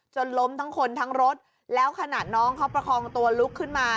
ล้มทั้งคนทั้งรถแล้วขนาดน้องเขาประคองตัวลุกขึ้นมา